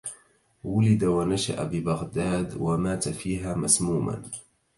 ولد ونشأ ببغداد، ومات فيها مسموماً،